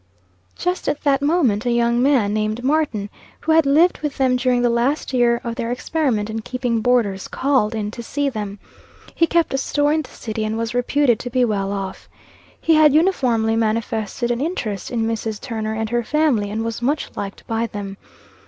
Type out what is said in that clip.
Just at that moment a young man, named Martin, who had lived with them during the last year of their experiment in keeping boarders, called in to see them. He kept a store in the city, and was reputed to be well off. He had uniformly manifested an interest in Mrs. Turner and her family, and was much liked by them.